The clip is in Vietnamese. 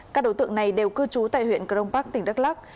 các đối tượng này đều cư trú tại huyện cờ đông bắc tỉnh đắk lóc